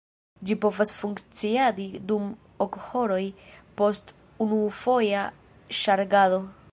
Ĝi povas funkciadi dum ok horoj post unufoja ŝargado.